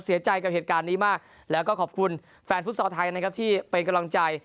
เสียใจกับเหตุการณ์นี้มากแล้วก็ขอบคุณแฟนฟุตซอลไทยนะครับที่เป็นกำลังใจ